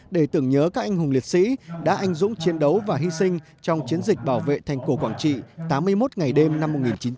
để tưởng nhớ các anh hùng liệt sĩ đã anh dũng chiến đấu và hy sinh trong chiến dịch bảo vệ thành cổ quảng trị tám mươi một ngày đêm năm một nghìn chín trăm bảy mươi